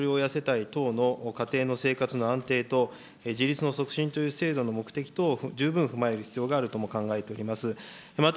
さらなる見直しを行う場合には、ひとり親世帯等の家庭の生活の安定と、自立の促進という制度の目的等を十分踏まえる必要があるとも考えております。